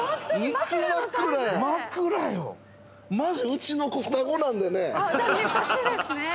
うちの子双子なんでね。